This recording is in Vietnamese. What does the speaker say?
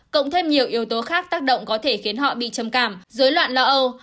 cộng thêm nhiều yếu tố khác tác động có thể khiến họ bị trầm cảm dối loạn lo âu